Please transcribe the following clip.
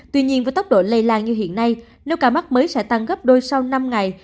tuy nhiên với tốc độ lây lan như hiện nay nếu ca mắc mới sẽ tăng gấp đôi sau năm ngày